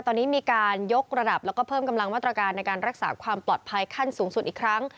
ตอนนี้มีการยกระดับแล้วก็เพิ่มกำลังมาตรการในการรักษาความปลอดภัยขั้นสูงสุดอีกครั้ง